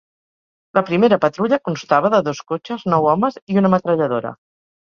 La primera patrulla constava de dos cotxes, nou homes i una metralladora.